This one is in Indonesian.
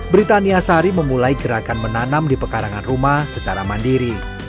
britania sari memulai gerakan menanam di pekarangan rumah secara mandiri